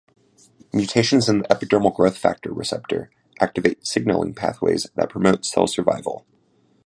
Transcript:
Mutations in the epidermal growth factor receptor activate signalling pathways that promote cell survival.